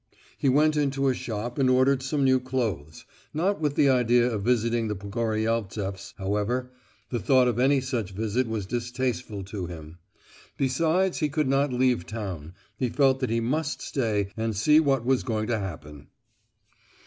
He went into a shop and ordered some new clothes, not with the idea of visiting the Pogoryeltseffs however—the thought of any such visit was distasteful to him; besides he could not leave town, he felt that he must stay and see what was going to happen.